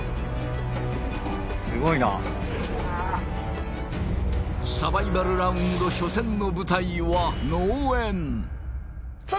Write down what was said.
すごいなサバイバルラウンド初戦の舞台は農園さあ